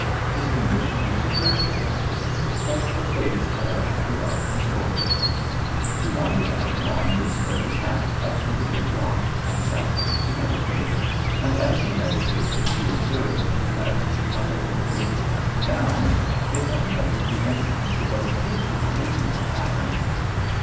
His condition was a dreadful one; but the Fates had a happy life in store for him. He wandered out along this very path up to the big rock, and sat down to meditate, and as he meditated he observed, as the tide of the river went down, it uncovered the entrance to what appeared to be a huge cavern.